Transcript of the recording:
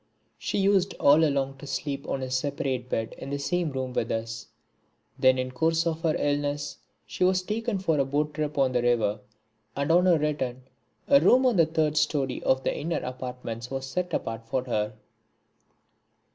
She used all along to sleep on a separate bed in the same room with us. Then in the course of her illness she was taken for a boat trip on the river, and on her return a room on the third storey of the inner apartments was set apart for her.